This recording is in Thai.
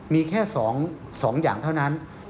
มีแค่๒อย่างเท่านั้น